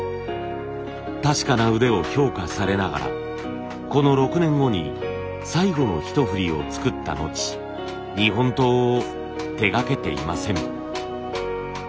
確かな腕を評価されながらこの６年後に最後の一振りを作った後日本刀を手がけていません。